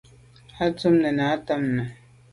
À tum nène à tamte nu.